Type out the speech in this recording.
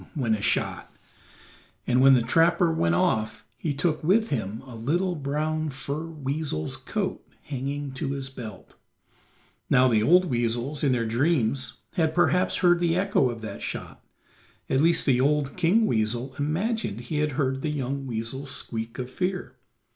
went a shot, and when the trapper went off he took with him a little brown fur weasel's coat hanging to his belt. Now the old weasels in their dreams had perhaps heard the echo of that shot; at least the old King Weasel imagined he had heard the young weasel's squeak of fear.